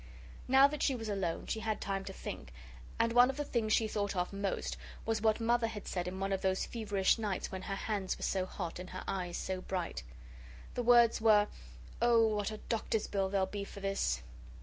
Now that she was alone, she had time to think, and one of the things she thought of most was what mother had said in one of those feverish nights when her hands were so hot and her eyes so bright. The words were: "Oh, what a doctor's bill there'll be for this!"